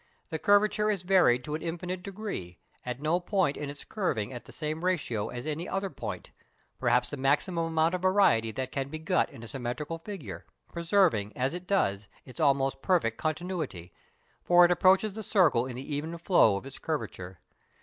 The curvature is varied to an infinite degree, at no point is its curving at the same ratio as at any other point; perhaps the maximum amount of variety that can be got in a symmetrical figure, preserving, as it does, its almost perfect continuity, for it approaches the circle in the even flow of its curvature.